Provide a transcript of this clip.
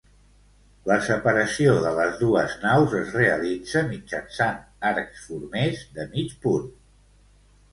La separació de les dues naus es realitza mitjançant arcs formers de mig punt.